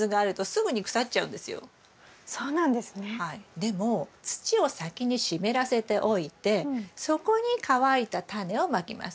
でも土を先に湿らせておいてそこに乾いたタネをまきます。